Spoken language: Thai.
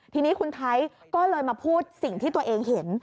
ทีนี้คุณไทยก็เลยมาพูดสิ่งที่ตัวเองเห็น